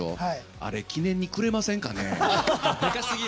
あれ、記念にくれませんかね？